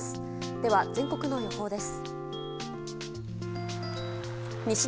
では全国の予報です。